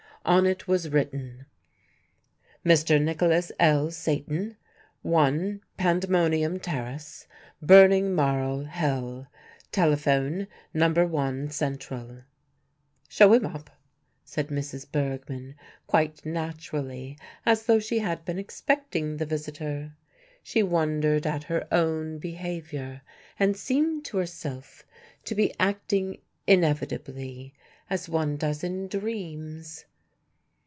On it was written: MR. NICHOLAS L. SATAN, I, Pandemonium Terrace, BURNING MARLE, HELL. Telephone, No. I Central. "Show him up," said Mrs. Bergmann, quite naturally, as though she had been expecting the visitor. She wondered at her own behaviour, and seemed to herself to be acting inevitably, as one does in dreams.